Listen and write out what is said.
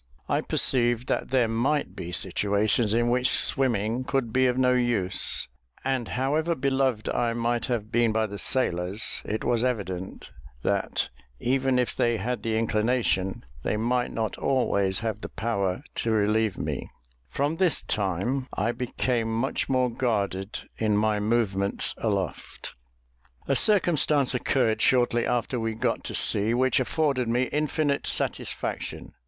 I perceived that there might be situations in which swimming could be of no use; and however beloved I might have been by the sailors, it was evident that, even if they had the inclination, they might not always have the power to relieve me: from this time, I became much more guarded in my movements aloft. A circumstance occurred shortly after we got to sea which afforded me infinite satisfaction.